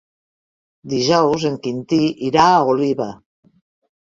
Dijous en Quintí irà a Oliva.